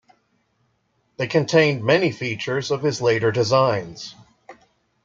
They contained many features of his later designs.